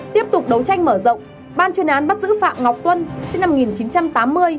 tiếp tục đấu tranh mở rộng ban chuyên án bắt giữ phạm ngọc tuân sinh năm một nghìn chín trăm tám mươi